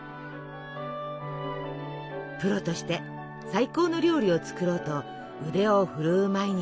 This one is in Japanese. プロとして最高の料理を作ろうと腕を振るう毎日。